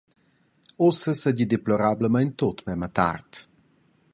Ussa seigi deploradamein tut memia tard.